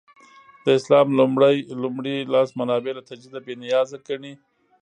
د اسلام لومړي لاس منابع له تجدیده بې نیازه ګڼي.